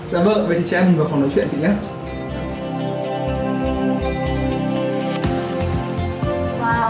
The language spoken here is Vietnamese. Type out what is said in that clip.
dạ vâng vậy thì chị em hãy vào phòng nói chuyện chị nhé